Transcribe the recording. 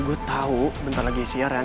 gue tau bentar lagi siaran